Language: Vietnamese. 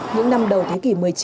những năm đầu thế kỷ một mươi chín